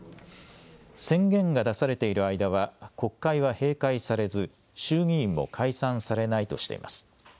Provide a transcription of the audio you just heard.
宣言が出されている間は国会は閉会されず、衆議院も解散されないとしています。